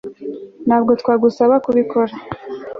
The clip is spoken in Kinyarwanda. ntabwo twagusaba kubikora